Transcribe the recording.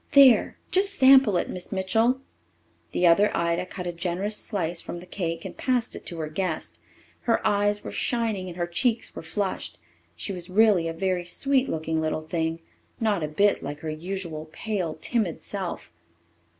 There just sample it, Miss Mitchell." The other Ida cut a generous slice from the cake and passed it to her guest. Her eyes were shining and her cheeks were flushed. She was really a very sweet looking little thing not a bit like her usual pale, timid self.